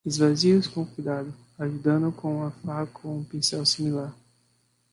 Esvazie-os com cuidado, ajudando com uma faca ou pincel similar.